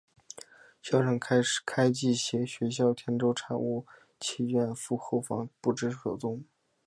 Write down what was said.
校长开济携学校田洲产物契券赴后方后不知所踪。